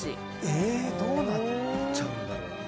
えー、どうなっちゃうんだろう。